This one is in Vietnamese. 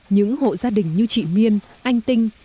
những hộ gia đình như chị miên anh tinh